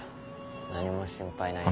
何も心配ないです